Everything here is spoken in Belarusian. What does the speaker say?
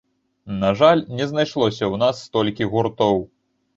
На жаль, не знайшлося ў нас столькі гуртоў.